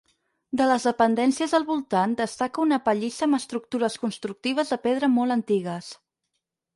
De les dependències del voltant destaca una pallissa amb estructures constructives de pedra molt antigues.